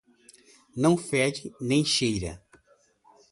Não fede, nem cheira